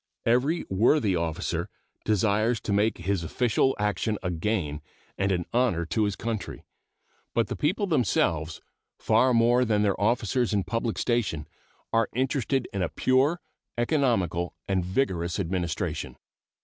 Every worthy officer desires to make his official action a gain and an honor to his country; but the people themselves, far more than their officers in public station, are interested in a pure, economical, and vigorous administration.